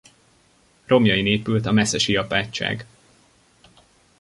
Romjain épült a meszesi apátság.